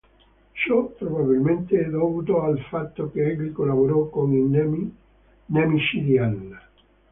Ciò probabilmente è dovuto al fatto che egli collaborò con i nemici di Anna.